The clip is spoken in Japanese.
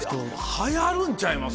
流行るんちゃいます？